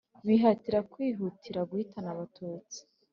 Bihatira kwihutira guhitana abatutsi